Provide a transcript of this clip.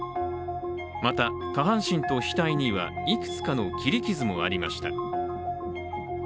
また、下半身と額にはいくつかの切り傷もありました。